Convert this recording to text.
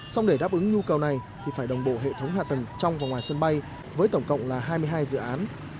xong để đáp ứng nhu cầu này thì phải đồng bộ hệ thống hạ tầng trong và ngoài sân bay với tổng cộng là hai mươi hai dự án